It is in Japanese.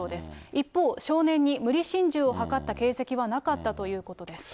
一方、少年に無理心中を図った形跡はなかったということです。